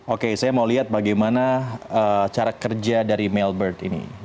oke saya mau lihat bagaimana cara kerja dari mailbird ini